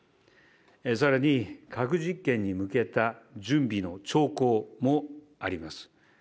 さらに核実験に向けた準備の兆候もあります。